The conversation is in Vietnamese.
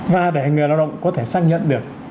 và để người lao động có thể xác nhận được